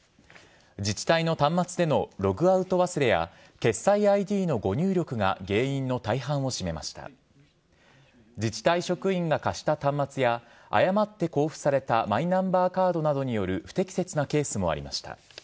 自治体の端末でのログアウト忘れや、決済ＩＤの誤入力が原因の大半を占めました自治体職員が貸した端末や誤って交付されたマイナンバーカードなどによる不適切なケースもありました。